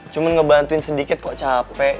cuma ngebantuin sedikit kok capek